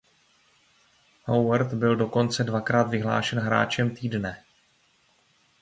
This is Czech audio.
Howard byl dokonce dvakrát vyhlášen hráčem týdne.